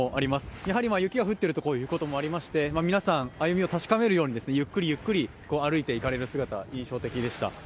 やはり雪が降っているということもありまして皆さん、歩みを確かめるように、ゆっくりゆっくり歩いていかれる姿が印象的でした。